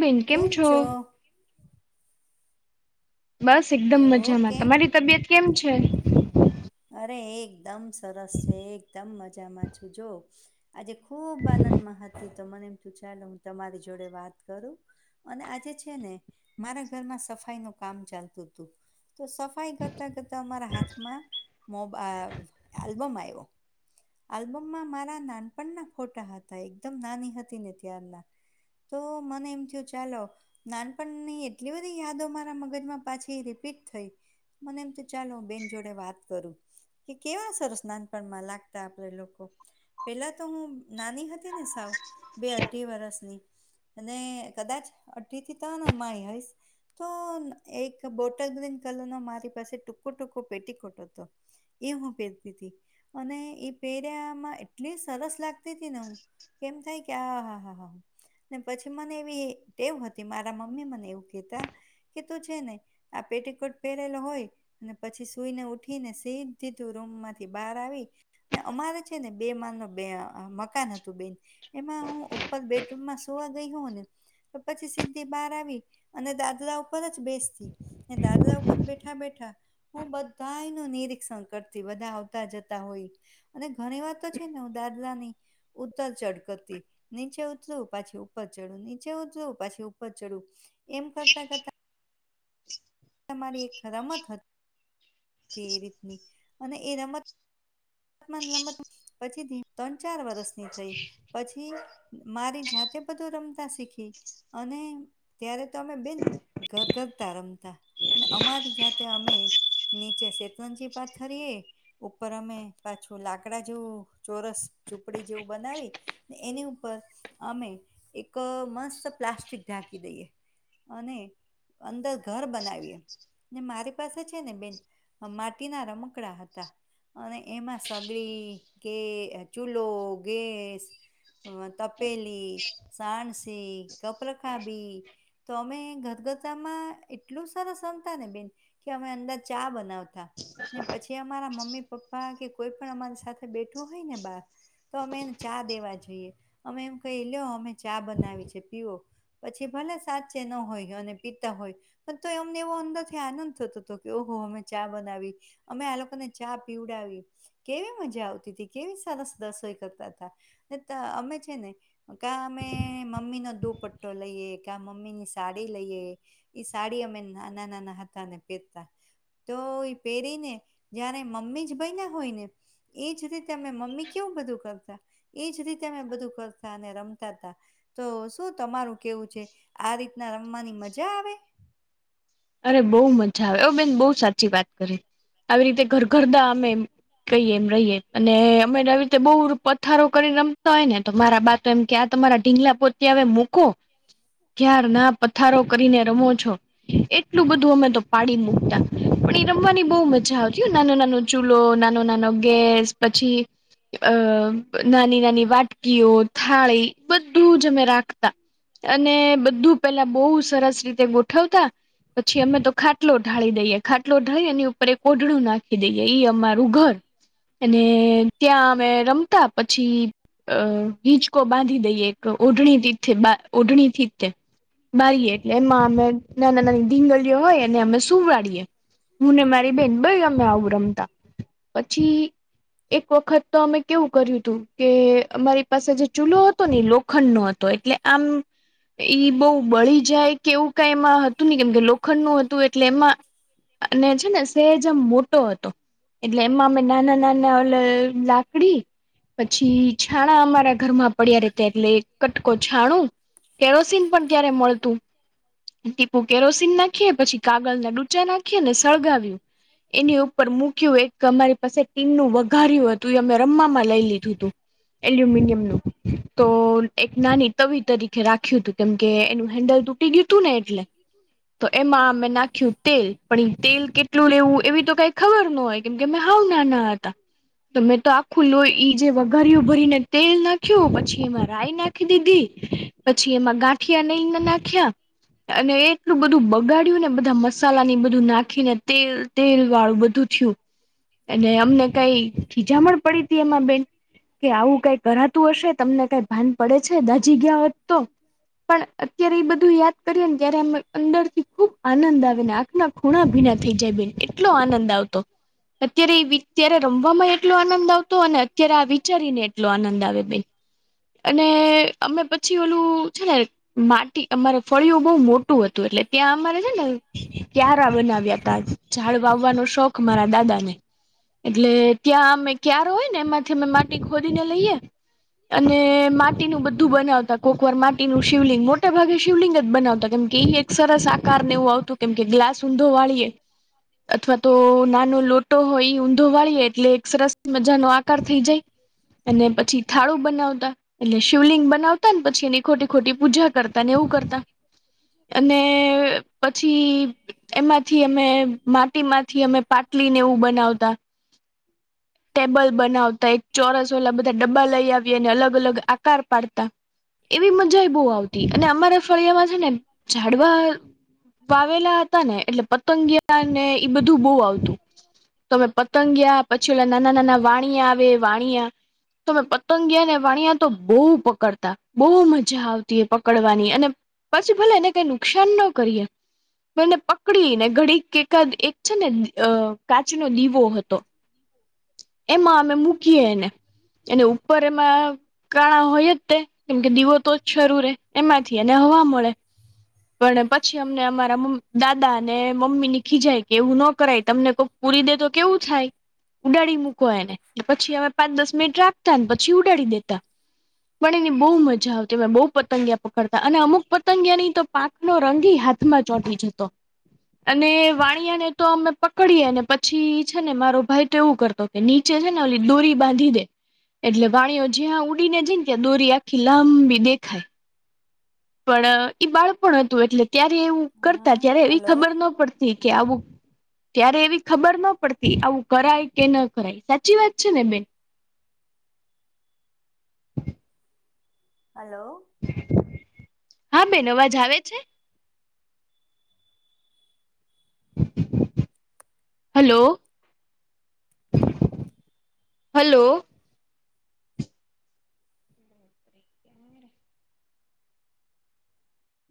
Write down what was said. બેન કેમ છો બસ એકદમ હલો મજામાં, કેમ તમારી તબિયત કેમ છે? અરે એકદમ સરસ છે, એકદમ મજામાં છું જો. આજે ખુબ આનંદમાં હતી તો મને એમ તું ચાલ હું તમારી જોડે વાત કરું. અને આજે છે ને મારા ઘરમાં સફાઈનું કામ ચાલતું તું, તો સફાઈ કરતા કરતા અમારા હાથમાં મોબા આલ્બમ આવ્યો આલ્બમમાં મારા નાનપણના ફોટા હતા એકદમ નાની હતી ને ત્યારના તો મને એમ થયું ચાલો નાનપણની એટલી બધી યાદો મારા મગજમાં પાછા રિપીટ થઈ મને એમ તો ચાલો બેન જોડે વાત કરું કે કેવા સરસ નાનપણમાં લાગતા આપડે લોકો પેલા તો હું નાની હતી ને સાવ બે અઢી વર્ષની અને કદાચ અટીથી ત માણી હઈશ તો એક બોટલ ગ્રીન કલર નો મારી પાસે ટૂંકો ટૂંકો પેટીકોટ હતો. એ હું પહેરતી હતી અને એ પહેર્યામાં એટલી સરસ લાગ ને હું, કેમ થાય કે આ હા હા હા. ને પછી મને એવી ટેવ હતી મારા મમ્મી મને એવું કહેતા કે તું છે ને આ પેટીકોટ પહેરેલો હોય અને પછી સુઈને ઉઠીને સીધી તું રૂમમાંથી બહાર આવી અને અમારે છે ને બે માલ ન બે મકાન હતું બેન. એમાં હું ઉપર બેઠ રમમાં સોવા ગઈ હોને તો પછી સીધી બહાર આવી અને દાદરા ઉપર જ બેસતી. દાદરા ઉપર બેઠા બેઠા હું બધાય નું નિરીક્ષણ કરતી બધા આવતા જતા હોય અને ઘણી વાર તો છે ને હું દાદરા ની ઉતર ચઢ કરતી. નીચે ઉતરું પાછી ઉપર ચડું નીચે ઉતરું પાછી ઉપર ચડવું એમ કરતા કરતા તમારી એક રમત હત એ રીતની અને એ રમત [unintelligible] ત્રણ ચાર વરષની થઈ પછી મારી જાતે બધું રમતા શીખી અને ત્યારે તો અમે બેન ઘર પતા રમતા અને અમારી જાતે અમે નીચે શેતવંજી પાથરીએે ઉપર અમે પાછું લાકડા જેવું ચોરસ ઝૂપડી જેવું બનાવી ને એની ઉપર અમે એક મસ્ત પ્લાસ્ટિક ઢાંકી દઈએ અને અંદર ઘર બનાવીએ. ને મારી પાસે છે ને બેન માટીના રમકડા હતા અને એમાં સગડી કે ચૂલો, ગેસ અ તપેલી, સાણસી, કપલખાબી તો અમે ગદગથામાં એટલું સરસમતા ને બેન કે અમે અંદર ચા બનાવ તા ને પછી અમારા મમ્મી પપ્પા કે કોઈ પણ અમારી સાથે બેઠું હોય ને બાર તો અમે એને ચા દેવા જોઈએ. અમે એમ કહી લ્યો અમે ચા બનાવી છે પીઓ. પછી ભલે સાચે ન હોય અને પિતા હોય. પણ તો એમને એવો અંદરથી આનંદ થતો હતો કે ઓહો અમે ચા બનાવી અમે આ લોકોને ચા પીવડાવી કેવી મજા આવતી હતી, કેવી સરસ રસોઈ કરતા હતા. ને તા અમે છે ને કા અમે મમ્મીનો દુપટ્ટો લઈએ, કા મમ્મીની સાડી લઈએ. સાડી અમે નાના નાના હતા અને પહેરતા તો એ પહેરીને જ્યારે મમ્મી જ ભય ના હોય ને એજ રીતે તમે મમ્મી કેવું બધું કરતા એજ રીતે અમે બધું કરતા અને રમતા હતા. તો શું તમારું કેવું છે, આ રીતના રમવાની મજા આવે? અરે બહુ મજા આવે એ બેન બવ સાચી વાત કરી આવી રીતે ઘર ઘરદા અમે કહીએ એમ રહીએ અને અમે આવી રીતે બહુ પથારો કરીને રમતા હોય ને તો મારા બા તો એમ કયા આ તમારા ઢીંગલા પોતે મુકો. ક્યાર ના પથારો કરીને રમો છો. એ એટલું બધું અમે તો પાડી મુકતા. પણ એ રમવાની બહુ મજા આવતી નાનું નાનું ચૂલો નાનો નાનો ગેસ પછી અ નાની નાની વાટકીઓ, થાળી બધું જ અમે રાખતા. અને બધું પેલા બહુ સરસ રીતે ગોઠવતા પછી અમે તો ખાટલો ઢાળી દઈએ, ખાટલો ઢાળી એની ઉપર કોઢડું નાખી દઈએ અમારું ઘર. અને ત્યાં અમે રમતા પછી અ ીચકો બાંધી દઈ એક ઓઢણી ઓઢણીીતે મારીએ એટલે એમાં અમે નાના નાની ીંગડીઓ હોય ને અમે સુું વાડીીએ હુંને મારી બેન બ અમે આવું રમતા પછી એક વખત તો અમે કેવું કર્યું હતું કે અમારી પાસે જે ચૂલો હતો ને લોખંડ નો હતો એટલે આમ ઈ બહ બળી જાય કે એવું કમાં હતું કેમ કે લોખંડ નું હતું એટલે એમાં અને છે ને સેહેજામ મોટો હતો એટલે એમાં અમે નાના નાના ઓ લાકડી પછી છાણા અમારા ઘરમાં પડ્યા રતે એટલે કટકો છાણું કેરોસીન પણ ત્યારે મળતું ટીપુ ો નાખી પછી કાગલ ના ડૂચા નાખીને સળગાવ્યું એની ઉપર મૂક્યું એક અમારી પાસે ટીમનુંું વઘાર્યું હતું એ અમે રમમાં લઈ લીધું હતું એલ્યુમિનિયમ નું તો એક નાની તવિ તરીકે રાખ્યું હતું કેમ કે એનું હેન્ડલ તૂટી ગયું હતું ને એટલે તો એમાં મેમે નાખ્યું તેલ પણ એ તેલ કેટલું લેવું એવી તો કઈ ખબર ન હોય કેમ કે મેં હાવ ના ના હતા તો મેં તો આ ખુલ્લું જે વઘારીઓ ભરીને તેલ નાખ્યું પછી એમાં રાય નાખી દીધી પછી એમાં ગાંઠિયા નઈને નાખ્યા અને એ એટલું બધું બગાડ્યું ને બધા મસાલા ની બધું નાખી ને તે તેલ વાળું બધું થયું અને અમને કઈ ીજામણ પડી હતી એમાં બેન કે આવું કઈ કરરાતું હશે તમને કઈ ભાન પડે છે દાજીી ગયા હોત તો પણ અત્યારે એ બધું યાદ કરીએ ને જયારે અમે અંદર થી ખુબ આનંદ આવે ને આંખના ખૂણા ભીના થઈ જાય બેન એટલો આનંદ આવતો. અત્યારે ત્યારે રમવામાં એટલો આનંદ આવતો અને અત્યારે આ વિચારીને એટલો આનંદ આવે બેન અને અમે પછી ઓલું છે ને માટી અમારે ફળીઓ બહ મોટી એટલે ત્યાં અમારે છે ને ત્યારા બનાવ્યા ત ઝાડ વાવવાનો શોખ મારા દાદા ને હ [unintelligible] એટલે ત્યાં અમે ક્યાર હોય ને એમાંથી અમે માટી ખોદીને લઈએ અને માટીનુંું બધું બનાવતા કોકવાર માટીનું શિવલિંગ મોટા ભાગે શિવલિંગ જ બનાવતા કેમ કે સરસ આકાર ને એવું આવતું કેમ કે ગ્લાસ ઊંધો વાળીએ અથવા તો નાનો લોટ હોય ઊંધો વાળીએ એટલે એક સરસ મજા નો આકાર થઈ જાય અને પછી થાળું બનાવતા એટલે શિવલિંગ બનાવતા ને પછી એની ખોટી ખોટી પૂજા કરતા ને એવું કરતા અને પછી એમાંથી અમે માટીમાંથી અમે પાટલી ને એવું બનાવતા હા [unintelligible] ટેબલ બનાવતા એક ચોરસ વાલા બધા ડબ્બા લઈ આવી અને અલગ અલગ આકાર પાડતા એવી મજા બહુ આવતી અને અમારા ફળિયામાં છે ને ઝાડવા વાવેલા હતા ને એટલે પતંગિયા ને બધું બહ આવતું. તમે પતંગયા પછી ઓલા નાના નાના વાણિયા આવે વાણિયા તમે પતંગિયા ને વાણિયા તો બહુ પકડતા બહુ મજા આવતી એ પકડવાની અને પછી ભલે એને કઈ નુકસાન ન કરીએ. બને પકડી ને ઘડી એકાદ એક છે ને કાચ ન દીવો હતો. [inaudible] એમાં અમે મૂકીએ એને એ ઉપર માં કાણા હોય જ તે કેમકે દીવો તો જ શરૂ રે એમાંથી અને હવા મળે. પણ પછી અમને અમારા દાદા અને મમ્મી ની ખીજાય કે એવું ન કરાય તમને કો પૂરી દે તો કેવું થાય. ઉડાડી મૂકો એને પછી અમે પાંચ દસ મિનિટ રાખતાને પછી ઉડાડી દેતા. પણ એની બહુ મજા આવતી અમે બહુ પતંગિયા પકડતા અને અમુક પતંગિયાની તો પાંખ નો રંગે હાથમાં ચોટી જતો. અને વાણિયા ને તો અમે પકડીએ ને પછી છે ને મારો ભાઈ તો એવું કરતો કે નીચે છે ને ઓલી ડોરી બાંધી દે. એટલે વાણીઓ જ્યાં ઉડીને જાય ત્યાં દોરી આખી લાંબી દેખાય. પણ ઈ બાળપણ હતું એટલે ત્યારે એવું હા કરતા ત્યારે એવી હલો. ખબર ન પડતી કે આવું ત્યારે એવી ખબર ના પડતી આવું કરાય કે ન કરાય સાચી વાત છે ને બેન. હલો. હા બેન અવાજ આવે છે. હલો. હલો.